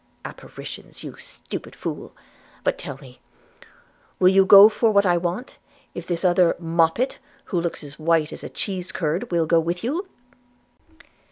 – Apparitions, you stupid fool! But tell me, will you go for what I want, if this other moppet, who looks as white as a cheese curd, will go with you?'